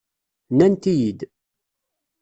Nnant-iyi-id.